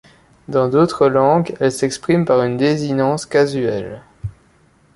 Dans d'autres langues, elle s'exprime par une désinence casuelle.